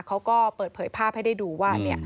เขาก็เปิดเผยภาพให้ได้ดูว่า